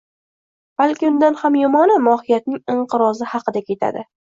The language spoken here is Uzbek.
balki undan ham yomoni, mohiyatning inqirozi haqida ketadi.